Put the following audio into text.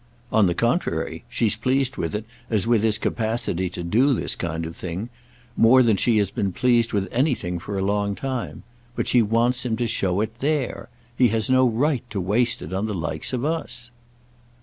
"On the contrary; she's pleased with it as with his capacity to do this kind of thing—more than she has been pleased with anything for a long time. But she wants him to show it there. He has no right to waste it on the likes of us."